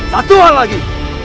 satu hal lagi